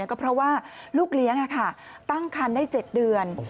ก็เพราะว่าลูกเลี้ยงตั้งคันได้๗เดือน